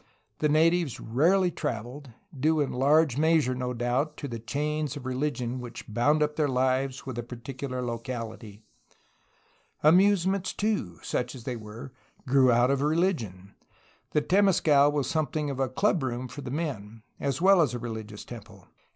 The natives rarely traveled, due in large measure, no doubt, to the chains of religion which bound up their lives with a particu lar locality. Amusements, too, such as they were, grew out of religion. The temescal was something of a club room for the men, as well as a religious temple.